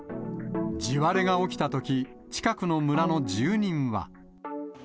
地割れが起きたとき、近くの村の住人は。